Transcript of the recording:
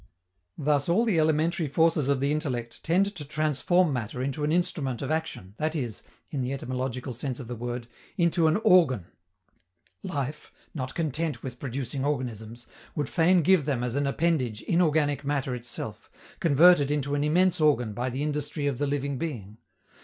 Thus, all the elementary forces of the intellect tend to transform matter into an instrument of action, that is, in the etymological sense of the word, into an organ. Life, not content with producing organisms, would fain give them as an appendage inorganic matter itself, converted into an immense organ by the industry of the living being.